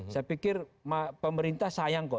saya pikir pemerintah sayang kok